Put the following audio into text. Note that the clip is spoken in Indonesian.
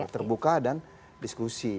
terbuka dan diskusi